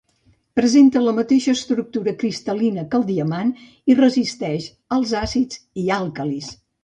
Presenta la mateixa estructura cristal·lina que el diamant i resisteix als àcids i àlcalis.